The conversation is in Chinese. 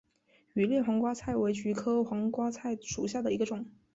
羽裂黄瓜菜为菊科黄瓜菜属下的一个种。